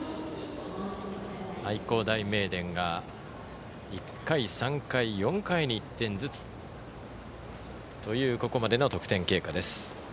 愛工大名電が１回、３回、４回に１点ずつというここまでの得点経過です。